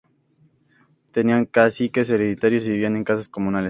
Tenían caciques hereditarios y vivían en casas comunales.